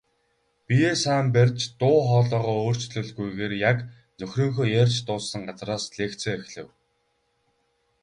Биеэ сайн барьж, дуу хоолойгоо өөрчлөлгүйгээр яг нөхрийнхөө ярьж дууссан газраас лекцээ эхлэв.